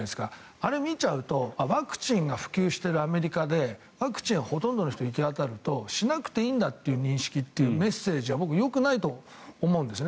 あれを見ちゃうとワクチンが普及してるアメリカでワクチンがほとんどの人に行き渡るとしなくていいんだというメッセージは僕、よくないと思うんですね。